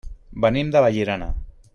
Venim de Vallirana.